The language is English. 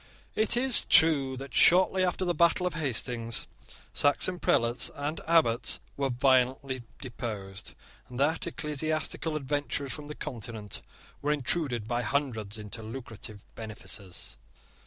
It is true that, shortly after the battle of Hastings, Saxon prelates and abbots were violently deposed, and that ecclesiastical adventurers from the Continent were intruded by hundreds into lucrative benefices.